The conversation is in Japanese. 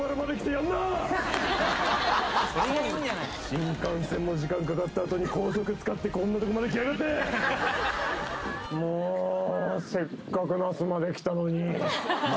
新幹線の時間かかった後に高速使ってこんなとこまで来やがって！